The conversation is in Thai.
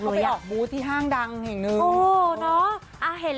เข้ามาเข้าไปออกบู๊ทที่ห้างดังอย่างนึง